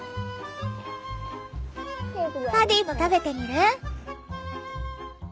パディも食べてみる？